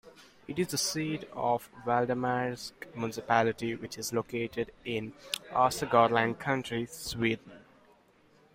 It is the seat of Valdemarsvik Municipality which is located in Östergötland County, Sweden.